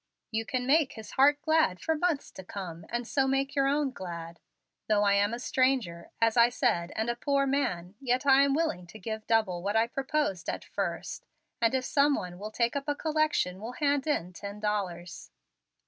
You can make his heart glad for months to come, and so make your own glad. Though I am a stranger, as I said, and a poor man, yet I am willing to give double what I proposed at first, and if some one will take up a collection will hand in ten dollars."